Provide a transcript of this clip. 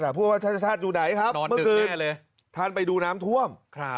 เพราะว่าเฉชชาชดูใดนะเมื่อคืนท่านไปดูน้ำท่วม